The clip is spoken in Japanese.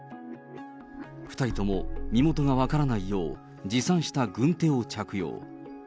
２人とも身元が分からないよう、持参した軍手を着用。